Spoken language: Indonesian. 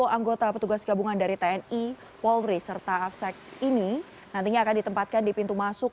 tiga empat ratus sembilan puluh anggota petugas gabungan dari tni walri serta afsek ini nantinya akan ditempatkan di pintu masuk